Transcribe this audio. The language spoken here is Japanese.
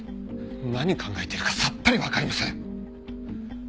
何考えてるかさっぱりわかりません。